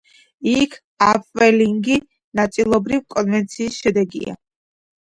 იქ აპველინგი ნაწილობრივ კონვექციის შედეგია.